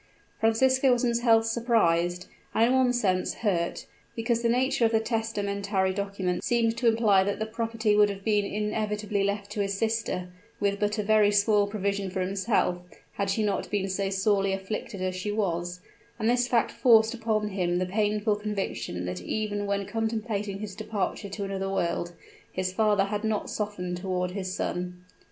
Francisco was himself surprised, and, in one sense, hurt; because the nature of the testamentary document seemed to imply that the property would have been inevitably left to his sister, with but a very small provision for himself, had she not been so sorely afflicted as she was; and this fact forced upon him the painful conviction that even when contemplating his departure to another world, his father had not softened toward his son!